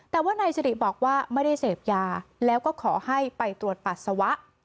แต่ว่านายสิริบอกว่าไม่ได้เสพยาแล้วก็ขอให้ไปตรวจปัสสาวะ